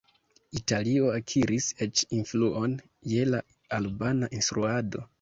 Italio akiris eĉ influon je la albana instruado.